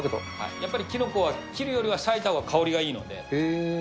やっぱりキノコは、切るよりはさいたほうが、香りがいいので。